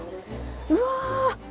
うわ！